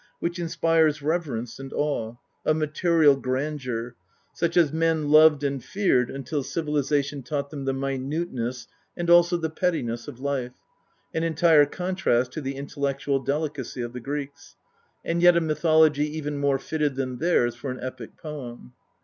which inspires reverence and awe, a material grandeur, such as men loved and feared until civilisation taught them the minuteness, and also the pettiness of life, an entire contrast to the intellectual delicacy of the Greeks, and yet a mythology even more fitted than theirs for an epic poem.